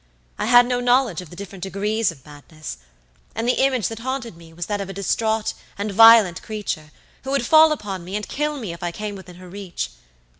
I had no knowledge of the different degrees of madness, and the image that haunted me was that of a distraught and violent creature, who would fall upon me and kill me if I came within her reach.